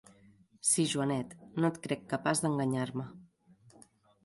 Sí, Joanet: no et crec capaç d'enganyar-me.